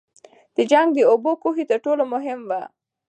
د جنګ د اوبو کوهي تر ټولو مهم وو.